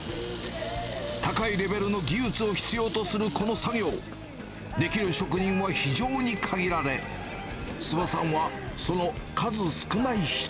高いレベルの技術を必要とするこの作業、できる職人は非常に限られ、諏訪さんはその数少ない１人。